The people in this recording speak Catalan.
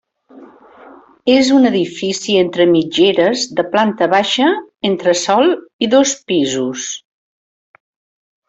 És un edifici entre mitgeres de planta baixa, entresòl i dos pisos.